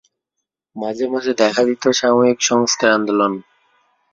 মাঝে মাঝে দেখা দিত সাময়িক সংস্কার-আন্দোলন।